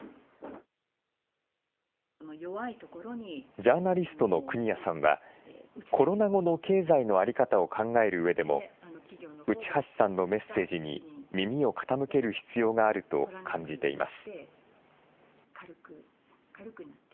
ジャーナリストの国谷さんは、コロナ後の経済の在り方を考えるうえでも、内橋さんのメッセージに耳を傾ける必要があると感じています。